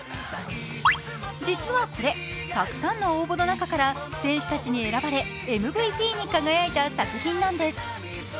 実はこれたくさんの応募の中から選手たちに選ばれＭＶＰに輝いた作品なんです。